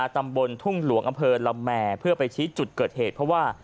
ตำบลทุ่งหลวงอำเภอละแม่เพื่อไปชี้จุดเกิดเหตุเพราะว่า